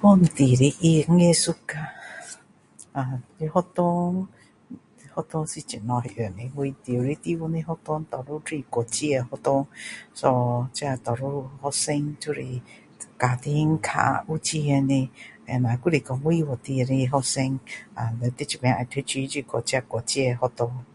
本地的艺术家呃在学校在学校是怎样用的我觉得我住的地方都是国际学校 so 这多少学生就是家庭较有钱的还是说外国进来的学生在这边要读书就是去这国际学校